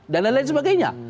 dan lain lain sebagainya